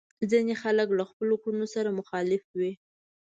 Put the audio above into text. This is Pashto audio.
ځينې خلک له خپلو کړنو سره مخالف وي.